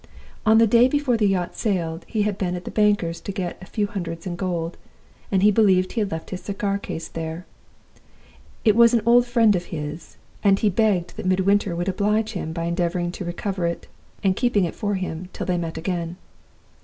On the day before the yacht sailed, he had been at the banker's to get 'a few hundreds in gold,' and he believed he had left his cigar case there. It was an old friend of his, and he begged that Midwinter would oblige him by endeavoring recover it, and keeping it for him till they met again.